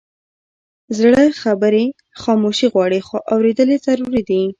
زړه خبرې خاموشي غواړي، خو اورېدل یې ضروري دي.